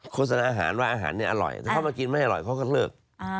โฆษณาอาหารว่าอาหารเนี่ยอร่อยแต่เขามากินไม่อร่อยเขาก็เลิก